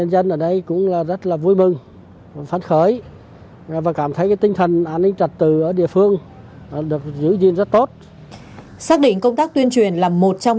xác định công tác tuyên truyền là một trong